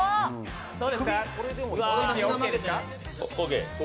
どうですか？